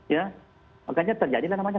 ya makanya terjadilah namanya